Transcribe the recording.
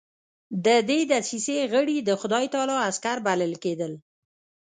د دې دسیسې غړي د خدای تعالی عسکر بلل کېدل.